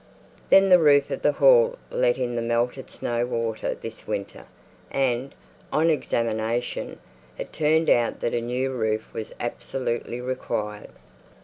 Then the roof of the Hall let in the melted snow water this winter; and, on examination, it turned out that a new roof was absolutely required.